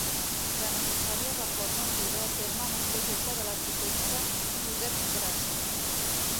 La necessària reforma es dugué a terme amb un projecte de l’arquitecte Josep Gràcia.